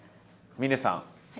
峰さん。